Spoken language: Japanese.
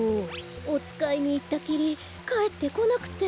おつかいにいったきりかえってこなくて。